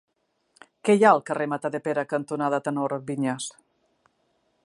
Què hi ha al carrer Matadepera cantonada Tenor Viñas?